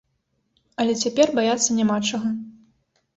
Але цяпер баяцца няма чаго.